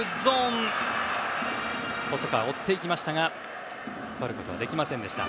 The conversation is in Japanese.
細川、追っていきましたが取ることはできませんでした。